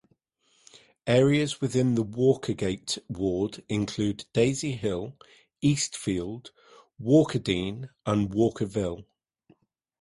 Areas within the Walkergate ward include Daisy Hill, Eastfield, Walkerdene and Walkerville.